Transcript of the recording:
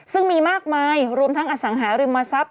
ซึ่งมีมากมายรวมทั้งอสังหาริมทรัพย